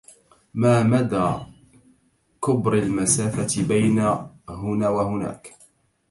ما مدى كبر المسافة بين هنا وهناك؟